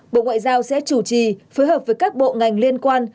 bộ ngoại giao sẽ chủ trì phối hợp với các bộ ngành liên quan